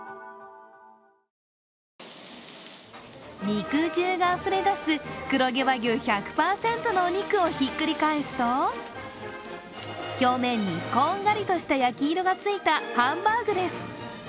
肉汁があふれ出す黒毛和牛１００％のお肉をひっくり返すと、表面にこんがりとした焼き色がついたハンバーグです。